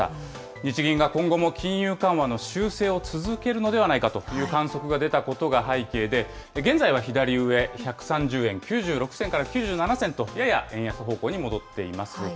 日銀が今後も金融緩和の修正を続けるのではないかという観測が出たことが背景で、現在は左上、１３０円９６銭から９７銭とやや円安方向に戻っています。